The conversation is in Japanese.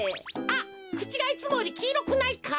あっくちがいつもよりきいろくないか？